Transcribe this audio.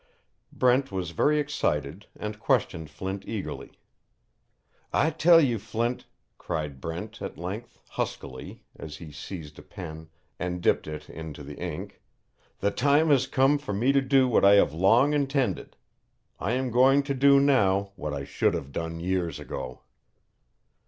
Brent was very excited and questioned Flint eagerly. "I tell you, Flint," cried Brent, at length, huskily, as he seized a pen and dipped in into the ink, "the time has come for me to do what I have long intended. I am going to do now what I should have done years ago."